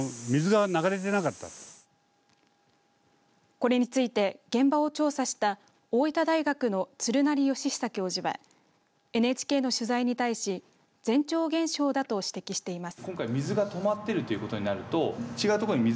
これについて現場を調査した大分大学の鶴成悦久教授はＮＨＫの取材に対し前兆現象だと指摘しています。